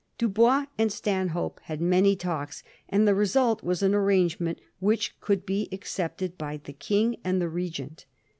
^ Dubois and Stanhope had many talks, and the result was an arrangement which could be accepted by the King and the Regent.